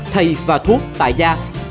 thầy và thuốc tại gia